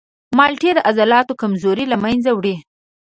مالټې د عضلاتو کمزوري له منځه وړي.